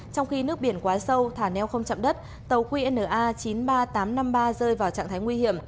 trong khi nước biển quá sâu thả neo không chậm đất tàu qna chín mươi ba nghìn tám trăm năm mươi ba rơi vào trạng thái nguy hiểm